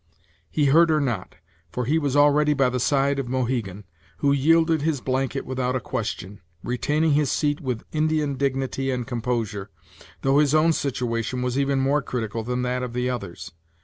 He heard her not, for he was already by the side of Mohegan, who yielded his blanket without a question, retaining his seat with Indian dignity and composure, though his own situation was even more critical than that of the others.